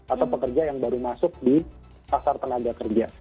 atau pekerja yang baru masuk di pasar tenaga kerja